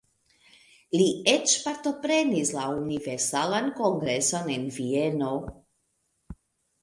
Li eĉ partoprenis la Universalan Kongreson en Vieno.